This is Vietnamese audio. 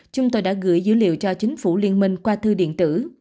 chúng tôi đã gửi dữ liệu cho chính phủ liên minh qua thư điện tử